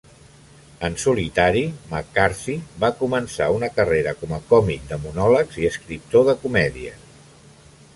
En solitari, McCarthy va començar una carrera com a còmic de monòlegs i escriptor de comèdia.